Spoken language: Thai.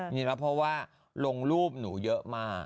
เพราะว่าลงรูปหนูเยอะมาก